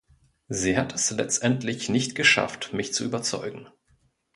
Sie hat es letztendlich nicht geschafft, mich zu überzeugen.